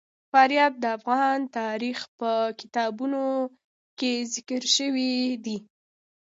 فاریاب د افغان تاریخ په کتابونو کې ذکر شوی دي.